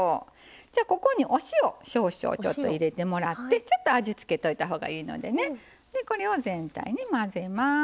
ここにお塩少々入れてもらってちょっと味付けといたほうがいいのでこれを全体に混ぜます。